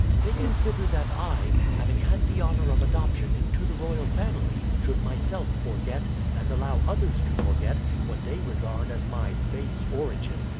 They consider that I, having had the honor of adoption into the royal family, should myself forget, and allow others to forget, what they regard as my base origin.